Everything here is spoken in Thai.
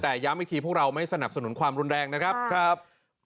แต่ย้ำอีกทีพวกเราไม่สนับสนุนความรุนแรงนะครับ